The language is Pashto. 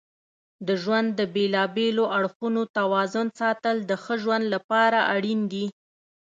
د ژوند د بیلابیلو اړخونو توازن ساتل د ښه ژوند لپاره اړین دي.